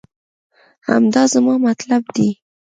همدا زما مطلب دی